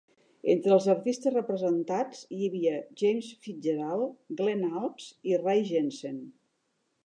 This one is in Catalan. Entre els artistes representats hi havia James FitzGerald, Glen Alps i Ray Jensen.